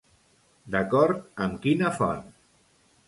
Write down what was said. D'acord amb quina font?